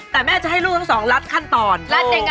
แต่แม่จะให้ลูกทั้งสองลัดขั้นตอนลัดยังไงฮะ